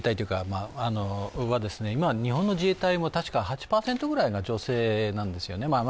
今、日本の自衛隊もたしか８％ぐらいが女性なんですよね。